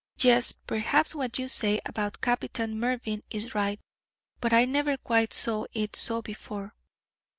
Yes, perhaps what you say about Captain Mervyn is right, but I never quite saw it so before.